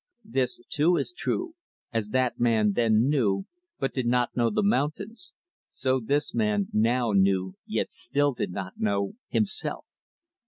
This, too, is true; as that man, then, knew, but did not know, the mountains; so this man, now, knew, yet still did not know, himself.